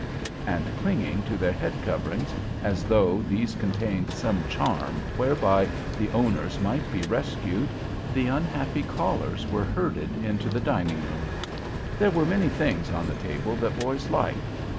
And clinging to their head coverings as though these contained some charm whereby the owners might be rescued, the unhappy callers were herded into the dining room. There were many things on the table that boys like.